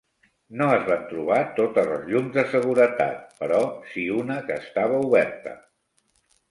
No es van trobar totes les llums de seguretat, però sí una que estava oberta.